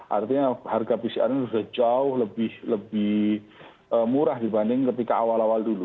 artinya harga pcr ini sudah jauh lebih murah dibanding ketika awal awal dulu